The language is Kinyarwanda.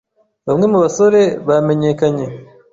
bamwe mu basore bamenyekanye